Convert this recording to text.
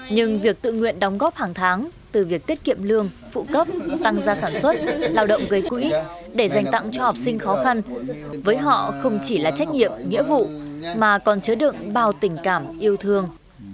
nhưng việc tự nguyện đóng góp hàng tháng từ việc tiết kiệm lương phụ cấp tăng gia sản xuất lao động gây quỹ để dành tặng cho học sinh khó khăn với họ không chỉ là trách nhiệm nghĩa vụ mà còn chứa đựng bao tình cảm yêu thương